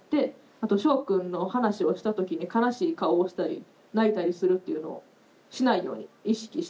あとしょうくんの話をしたときに悲しい顔をしたり泣いたりするっていうのをしないように意識して生きてきたみたいです。